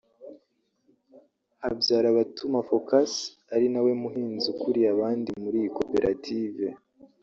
Habyarabatuma Phocas ari nawe muhinzi ukuriye abandi muri iyi koperative